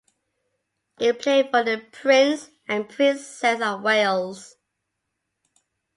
It played for the Prince and Princess of Wales.